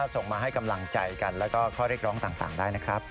ส่งมาให้กำลังใจกันแล้วก็ข้อเรียกร้องต่างได้นะครับ